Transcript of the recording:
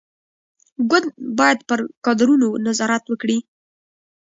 ګوند باید پر کادرونو نظارت وکړي.